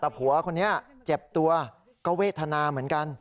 แต่ผัวคนนี้เจ็บตัวก็เวทนาเหมือนกัน